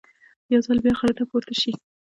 یو ځل بیا غره ته پورته شي.